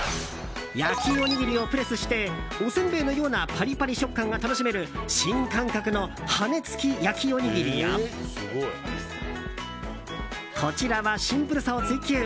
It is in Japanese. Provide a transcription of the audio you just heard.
焼きおにぎりをプレスしておせんべいのようなパリパリ食感が楽しめる新感覚の羽根つき焼きおにぎりやこちらはシンプルさを追求！